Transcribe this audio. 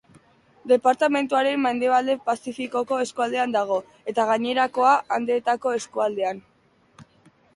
Departamenduaren mendebaldea Pazifikoko eskualdean dago eta gainerakoa Andeetako eskualdean.